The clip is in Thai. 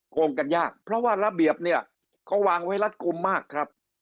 โกงกันยากเพราะว่าระเบียบเนี่ยเขาวางไว้รัดกลุ่มมากครับ